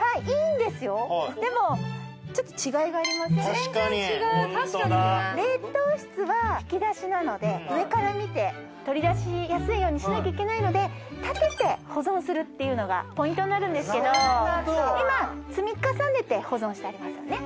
全然違う確かにね冷凍室は引き出しなので上から見て取り出しやすいようにしなきゃいけないので立てて保存するっていうのがポイントになるんですけど今積み重ねて保存してありますよね